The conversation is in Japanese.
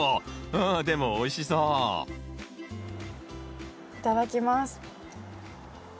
うんでもおいしそういただきます。